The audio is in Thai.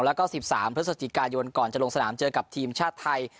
แล้วก็๑๓พฤศจิกายนก่อนจะลงสนามเจอกับทีมชาติไทย